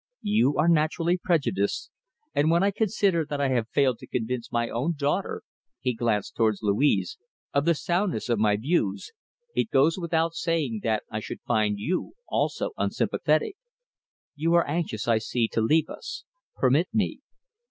You are naturally prejudiced, and when I consider that I have failed to convince my own daughter" he glanced towards Louise "of the soundness of my views, it goes without saying that I should find you also unsympathetic. You are anxious, I see, to leave us. Permit me!"